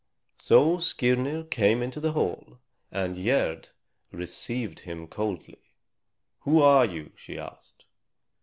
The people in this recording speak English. So Skirnir came into the hall, and Gerd received him coldly. "Who are you?" she asked.